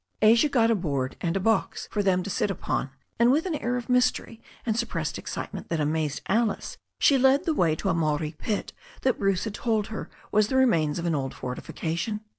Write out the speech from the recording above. Asia got a board and a box for them to sit upon, and with an air of mystery and suppressed excitement that amazed Alice she led the way to a Maori pit that Bruce had told her was the remains of an old fortification.